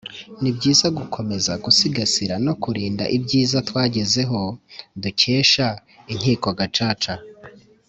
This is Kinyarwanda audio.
Ni byiza gukomeza gusigasira no kurinda ibyiza twagezeho dukesha Inkiko Gacaca